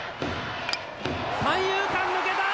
三遊間抜けた！